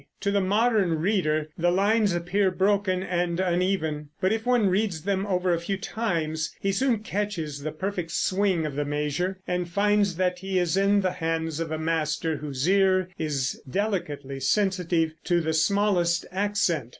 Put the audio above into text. To the modern reader the lines appear broken and uneven; but if one reads them over a few times, he soon catches the perfect swing of the measure, and finds that he is in the hands of a master whose ear is delicately sensitive to the smallest accent.